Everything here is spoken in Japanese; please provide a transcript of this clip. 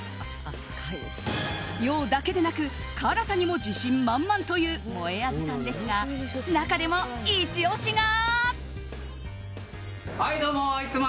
量だけでなく辛さにも自信満々というもえあずさんですが中でもイチ押しが。